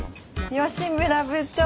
吉村部長。